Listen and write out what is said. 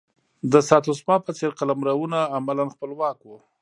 د ساتسوما په څېر قلمرونه عملا خپلواک وو.